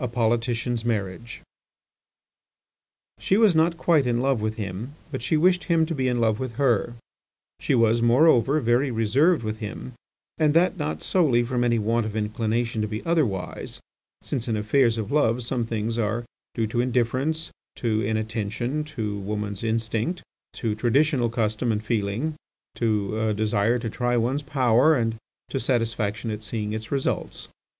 IV. A POLITICIAN'S MARRIAGE She was not quite in love with him, but she wished him to be in love with her. She was, moreover, very reserved with him, and that not solely from any want of inclination to be otherwise, since in affairs of love some things are due to indifference, to inattention, to woman's instinct, to traditional custom and feeling, to a desire to try one's power, and to satisfaction at seeing its results.